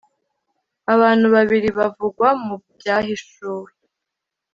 abantu babiri bavugwa mu byahishuwe